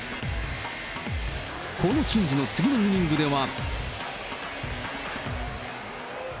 この珍事の次のイニングでは。